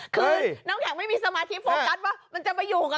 คือน้ำแข็งไม่มีสมาธิโฟกัสว่ามันจะไปอยู่กับ